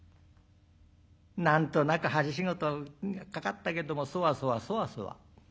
何となく針仕事かかったけどもそわそわそわそわ。